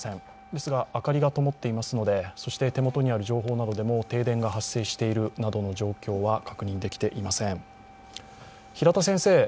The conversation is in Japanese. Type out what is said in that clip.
ですが、明かりがともっていますので、手元にある情報などでも停電が発生しているなどの状況は確認できていません。